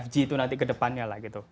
lima g itu nanti kedepannya lah gitu